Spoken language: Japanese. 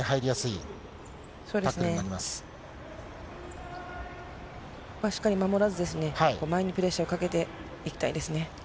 ここはしっかり守らず、前にプレッシャーをかけていきたいですね。